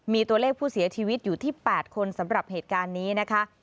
มีตัวเลขผู้เสียชีวิตอยู่ที่๘คนสำหรับเหตุการณ์นี้นะคะ